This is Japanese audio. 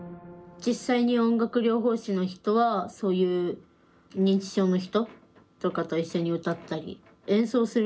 実際に音楽療法士の人はそういう認知症の人とかと一緒に歌ったり演奏する。